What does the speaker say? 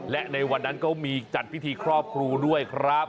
และในวันนั้นก็มีจัดพิธีครอบครูด้วยครับ